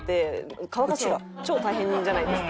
乾かすの超大変じゃないですか。